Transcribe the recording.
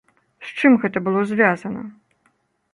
З чым гэта было звязана?